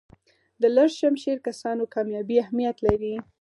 د لږ شمېر کسانو کامیابي اهمیت لري.